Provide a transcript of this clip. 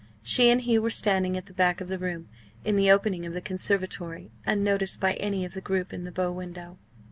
She and he were standing at the back of the room, in the opening of the conservatory, unnoticed by any of the group in the bow window.